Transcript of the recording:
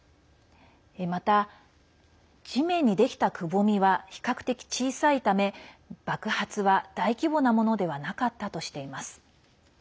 また、地面にできたくぼみは比較的、小さいため爆発は大規模なものではなかったとしています。